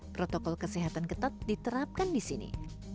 protokol kesehatan ketat diterapkan di sini